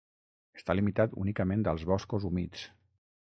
Està limitat únicament als boscos humits.